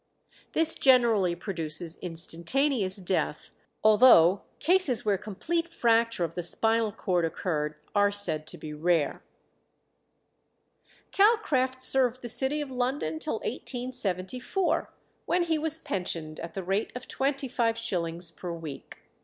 This generally produces instantaneous death, although cases where complete fracture of the spinal cord occurred are said to be rare. Calcraft served the city of London till 1874, when he was pensioned at the rate of twenty five shillings per week.